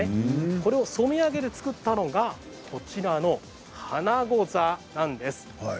これを染め上げて作ったのがこちらの「花ござ」なんです。